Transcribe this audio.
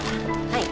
はい。